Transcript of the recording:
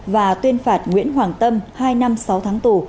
và tuyên phạt nguyễn hoàng tâm hai năm sáu tháng tù